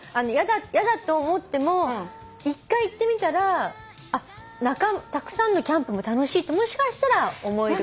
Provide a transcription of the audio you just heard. やだと思っても１回行ってみたらたくさんのキャンプも楽しいともしかしたら思えるかも。